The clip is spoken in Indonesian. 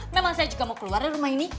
memang saya juga mau keluar dari rumah ini